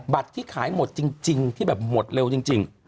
ที่ขายหมดจริงที่แบบหมดเร็วจริง